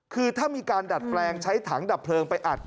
คือถ้ามีการดัดแปลงใช้ถังดับเพลิงไปอัด